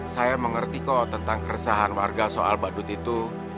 saya mengerti kok tentang keresahan warga soal badut itu